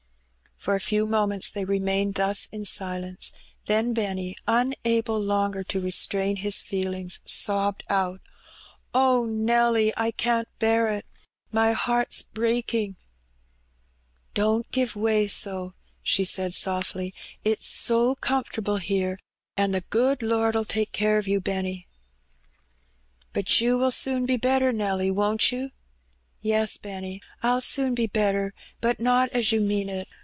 For a few moments they remained thus in silence^ then Benny, unable longer to restrain his feelings, sobbed out —^' Oh, Nelly ! I can^t bear it ; my hearths breaking/^ "Don^t give way so,'' she said softly. "Ifs so comfort able here, an' the good Lord^ll take care of you, Benny." " But you will soon be better, Nelly, won't you ?" "Yes, Benny, I'll soon be better, but not as you mean it.